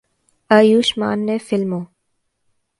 آیوشمان نے فلموں